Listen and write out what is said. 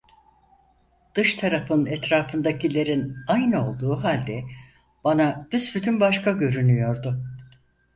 Dış tarafın etrafındakilerin aynı olduğu halde bana büsbütün başka görünüyordu.